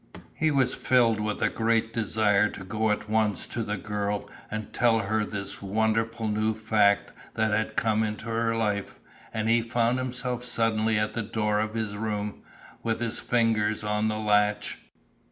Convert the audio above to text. He was filled with a great desire to go at once to the Girl and tell her this wonderful new fact that had come into her life, and he found himself suddenly at the door of his room, with his fingers on the latch.